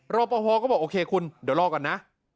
รอปภก็บอกโอเคคุณเดี๋ยวรอก่อนนะ